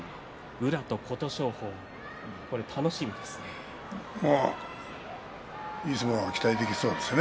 宇良と琴勝峰、楽しみですね。